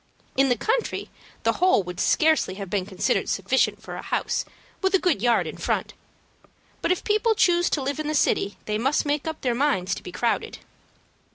In the country the whole would scarcely have been considered sufficient for a house with a good yard in front; but if people choose to live in the city they must make up their minds to be crowded.